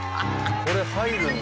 これ入るんだ。